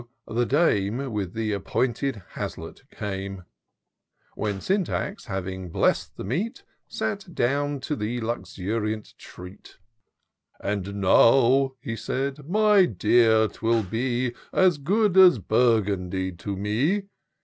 the Dame With the appointed haslet came : When Syntax, having bless'd the meat, Sat down to the luxuriant treat. " And now," he said, " my dear, 'twill be As good as Burgundy to me.